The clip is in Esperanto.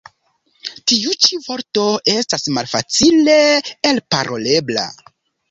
Tiu ĉi vorto estas malfacile elparolebla.